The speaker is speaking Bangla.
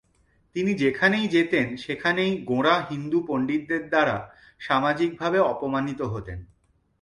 তিনি যেখানেই যেতেন সেখানেই গোঁড়া হিন্দু পণ্ডিতদের দ্বারা সামাজিকভাবে অপমানিত হতেন।